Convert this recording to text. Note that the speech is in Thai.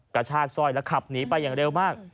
กระชากสร้อยแล้วขับหนีไปอย่างเร็วมาก